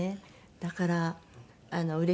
だからうれしいです。